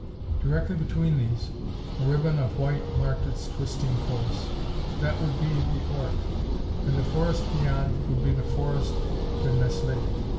Directly between these a ribbon of white marked its twisting course. That would be the Ourcq, and the forest beyond would be the Forest de Nesles.